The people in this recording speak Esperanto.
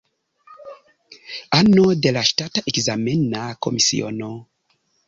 Ano de la ŝtata ekzamena komisiono.